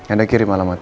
anda kirim alamatnya